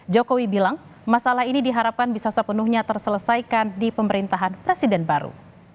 jokowi bilang masalah ini diharapkan bisa sepenuhnya terselesaikan di pemerintahan presiden baru